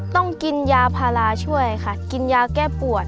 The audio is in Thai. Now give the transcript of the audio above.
ต้องกินยาพาราช่วยค่ะกินยาแก้ปวด